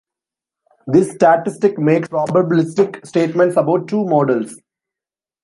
This statistic makes probabilistic statements about two models.